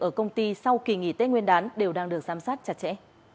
ở công ty sau kỳ nghỉ tết nguyên đán đều đang được giám sát chặt chẽ